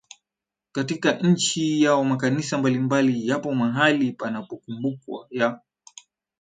katika nchi yao Makanisa mbalimbali yapo mahali panapokumbukwa ya